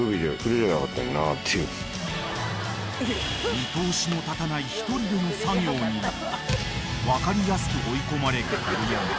［見通しの立たない１人での作業に分かりやすく追い込まれる古山］